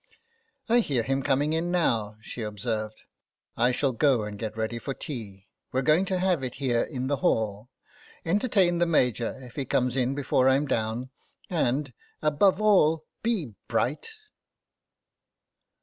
" I hear him coming in now," she observed. " I shall go and get ready for tea. We're going to have it here in the hall. Entertain the Major if he comes in before Fm down, and, above all, be bright."